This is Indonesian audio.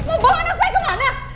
mau bawa anak saya kemana